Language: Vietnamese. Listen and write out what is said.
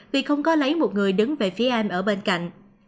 vì không có lấy một người đứng về phía em ở bên cạnh